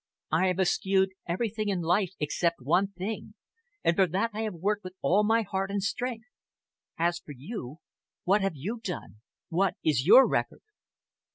I have eschewed everything in life except one thing, and for that I have worked with all my heart and strength. As for you, what have you done? What is your record?"